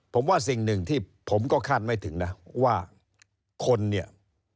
ผมว่าสิ่งหนึ่งที่ผมก็คาดไม่ถึงนะว่าคนเนี่ย